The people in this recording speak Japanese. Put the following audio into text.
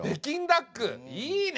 いいね！